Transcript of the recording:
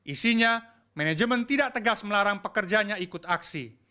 isinya manajemen tidak tegas melarang pekerjanya ikut aksi